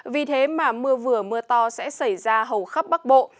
vì thế mà mưa vừa mưa to sẽ xảy ra hầu khắp bắc bộ